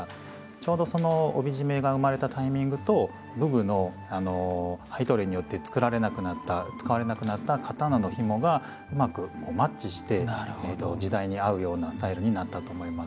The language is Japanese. ちょうどその帯締めが生まれたタイミングと武具の廃刀令によって作られなくなった使われなくなった刀のひもがうまくマッチして時代に合うようなスタイルになったと思います。